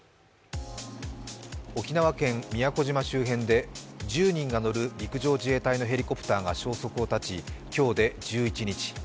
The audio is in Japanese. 沖縄県宮古島周辺で１０人が乗る陸上自衛隊のヘリコプターが消息を絶ち今日で１１日。